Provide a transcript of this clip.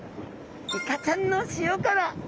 イカちゃんの塩辛！